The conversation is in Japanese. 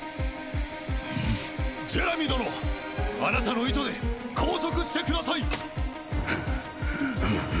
ジェラミー殿あなたの糸で拘束してください！